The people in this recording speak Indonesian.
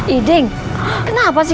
iding kenapa sih